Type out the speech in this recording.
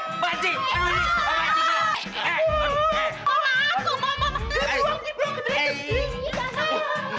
eh aduh eh